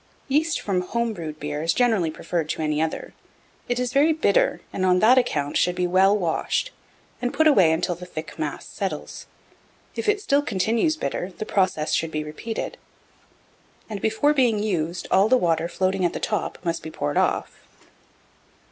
1691. Yeast from home brewed beer is generally preferred to any other: it is very bitter, and, on that account, should be well washed, and put away until the thick mass settles. If it still continues bitter, the process should be repeated; and, before being used, all the water floating at the top must be poured off.